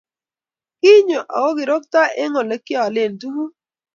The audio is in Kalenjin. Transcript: kinyo ago kirokto eng olegiale tuguk